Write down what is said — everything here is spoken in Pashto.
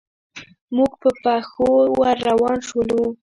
موږ په پښو ور روان شولو.